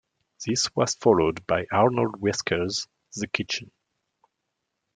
This was followed by Arnold Wesker's "The Kitchen".